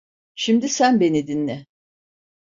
Şimdi sen beni dinle.